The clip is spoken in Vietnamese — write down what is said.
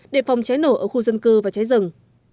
để phòng trái nổ ở khu dân cư và trái rừng